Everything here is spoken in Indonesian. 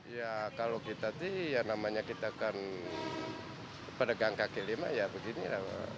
ya kalau kita sih ya namanya kita kan pedagang kk lima ya begini lah